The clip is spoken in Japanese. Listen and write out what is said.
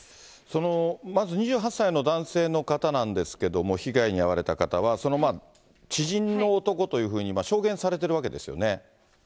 そのまず２８歳の男性の方なんですけども、被害に遭われた方は、知人の男というふうに証言されているわけですよね。